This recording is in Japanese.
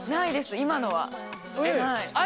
今のは。